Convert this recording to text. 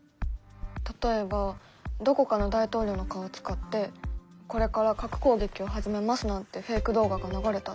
例えばどこかの大統領の顔を使って「これから核攻撃を始めます」なんてフェイク動画が流れたら。